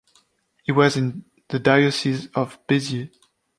He was in the diocese of Béziers.